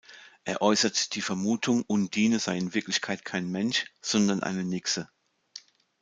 Er äußert die Vermutung, Undine sei in Wirklichkeit kein Mensch, sondern eine Nixe.